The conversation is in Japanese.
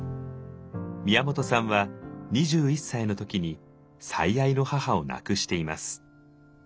宮本さんは２１歳の時に最愛の母を亡くしています。